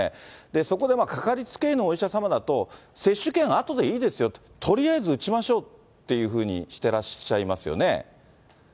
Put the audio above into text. そこで掛かりつけ医のお医者様だと、接種券あとでいいですよ、とりあえず打ちましょうというふうにしてらっしゃいますよね。